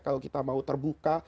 kalau kita mau terbuka